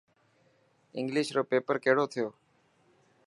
انگلش رو پيپر ڪهڙو ٿيو.